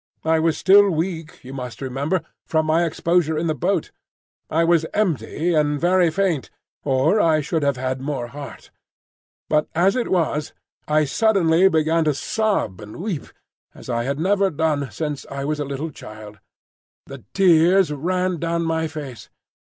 I was still weak, you must remember, from my exposure in the boat; I was empty and very faint, or I should have had more heart. But as it was I suddenly began to sob and weep, as I had never done since I was a little child. The tears ran down my face.